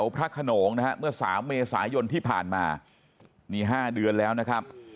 เป็นที่แดง